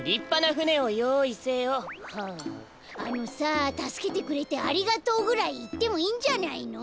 ああのさ「たすけてくれてありがとう」ぐらいいってもいいんじゃないの？